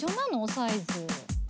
サイズ。